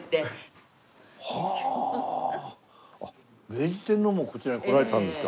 明治天皇もこちらに来られたんですか。